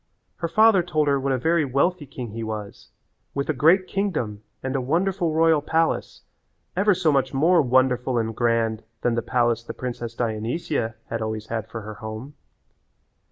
Her father told her what a very wealthy king he was with a great kingdom and a wonderful royal palace ever so much more wonderful and grand than the palace the princess Dionysia had always had for her home.